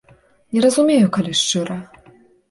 Не разумею, калі шчыра.